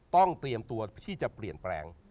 ต้องเตรียมตัวที่จะเปลี่ยนแปลง